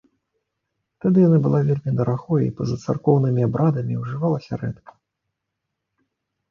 Тады яна была вельмі дарагой і па-за царкоўнымі абрадамі ўжывалася рэдка.